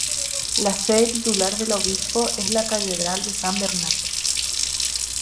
La sede titular del obispo es la catedral de San Bernardo.